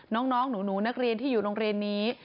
น้องหนูนักเรียนที่อยู่โรงเรียนนี้